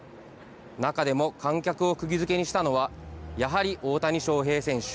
中でも観客をくぎ付けにしたのは、やはり大谷翔平選手。